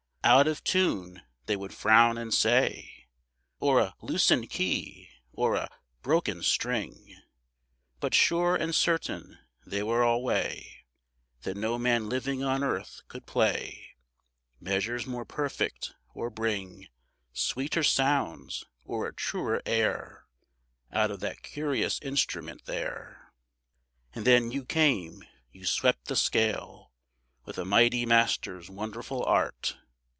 "Out of tune," they would frown and say; Or "a loosened key" or "a broken string;" But sure and certain they were alway, That no man living on earth could play Measures more perfect, or bring Sweeter sounds or a truer air Out of that curious instrument there. And then you came. You swept the scale With a mighty master's wonderful art.